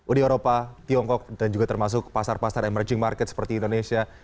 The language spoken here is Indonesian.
uni eropa tiongkok dan juga termasuk pasar pasar emerging market seperti indonesia